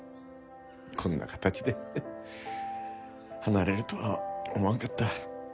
こんな形で離れるとは思わんかった。